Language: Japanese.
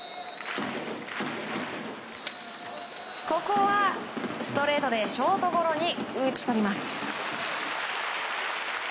ここはストレートでショートゴロに打ち取ります。